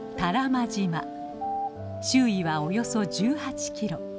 周囲はおよそ１８キロ。